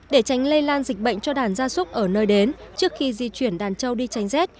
để tránh lây lan dịch bệnh cho đàn gia súc ở nơi đến trước khi di chuyển đàn trâu đi tránh rét